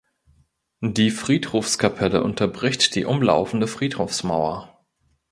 Die Friedhofskapelle unterbricht die umlaufende Friedhofsmauer.